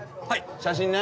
写真ね？